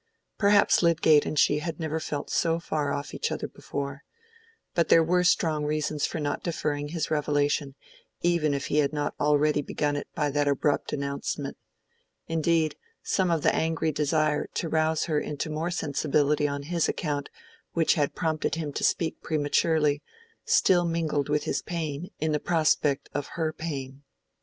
Perhaps Lydgate and she had never felt so far off each other before; but there were strong reasons for not deferring his revelation, even if he had not already begun it by that abrupt announcement; indeed some of the angry desire to rouse her into more sensibility on his account which had prompted him to speak prematurely, still mingled with his pain in the prospect of her pain.